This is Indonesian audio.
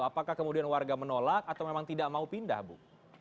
apakah kemudian warga menolak atau memang tidak mau pindah bu